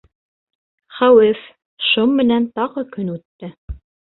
Хәүеф, шом менән тағы көн үтте.